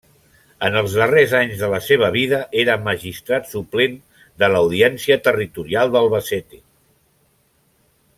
En els darrers anys de la seva vida era magistrat suplent de l'Audiència Territorial d'Albacete.